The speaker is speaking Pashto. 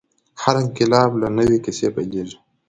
هر انقلاب له نوې کیسې پیلېږي.